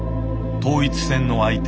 統一戦の相手